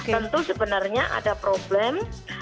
tentu sebenarnya ada problem